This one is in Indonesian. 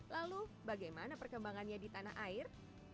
lalu bagaimana perkembangannya di tanah air